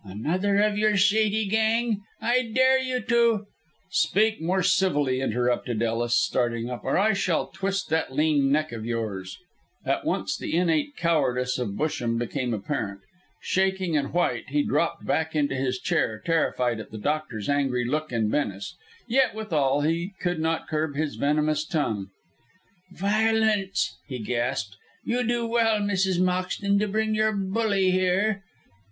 "Another of your shady gang. I dare you to " "Speak more civilly," interrupted Ellis, starting up, "or I shall twist that lean neck of yours." At once the innate cowardice of Busham became apparent. Shaking and white, he dropped back into his chair, terrified at the doctor's angry look and menace. Yet, withal, he could not curb his venomous tongue. "Violence," he gasped. "You do well, Mrs. Moxton, to bring your bully here."